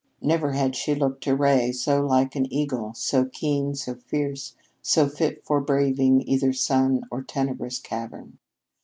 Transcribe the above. Never had she looked to Ray so like an eagle, so keen, so fierce, so fit for braving either sun or tenebrous cavern.